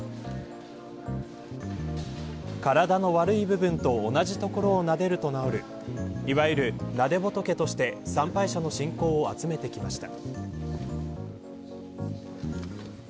体の悪い部分と同じところをなでると治るいわゆる、なで仏として参拝者の信仰を集めてきました。